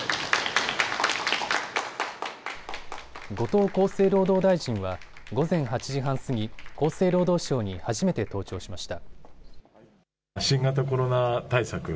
後藤厚生労働大臣は午前８時半過ぎ、厚生労働省に初めて登庁しました。